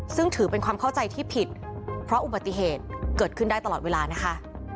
ซึ่งถือเป็นความเข้าใจที่ผิดเพราะอุบัติเหตุเกิดขึ้นได้ตลอดเวลานะคะ